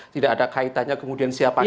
tidak ada kaitannya kemudian siapa kita